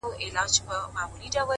o نينې په پټه نه چيچل کېږي!